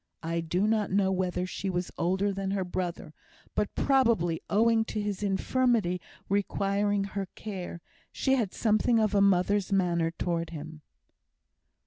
I do not know whether she was older than her brother, but, probably owing to his infirmity requiring her care, she had something of a mother's manner towards him.